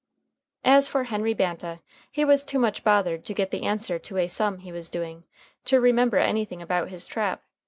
As for Henry Banta, he was too much bothered to get the answer to a "sum" he was doing, to remember anything about his trap.